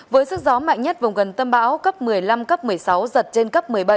với sức gió mạnh nhất vùng gần tâm bão cấp một mươi năm cấp một mươi sáu giật trên cấp một mươi bảy